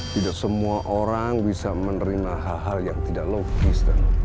tidak semua orang bisa menerima hal hal yang tidak logis